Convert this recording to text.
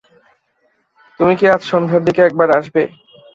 তুমি কি আজ সন্ধ্যার দিকে একবার আসবে?